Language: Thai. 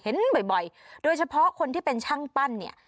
เห็นบ่อยโดยเฉพาะคนที่เป็นช่างปั้นเนี่ย